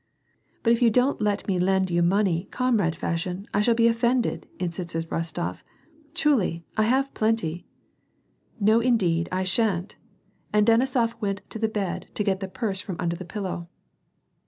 " But if you don't let me lend you money, comrade fashion, I shall be offended !" insisted Rostof. " Truly, I have plenty." " No indeed, I shan't," and Denisof went to the bed to get the purse from under the pillow.